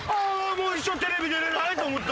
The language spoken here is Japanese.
もう一生テレビ出れないと思った。